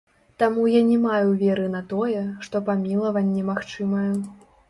Таму я не маю веры на тое, што памілаванне магчымае.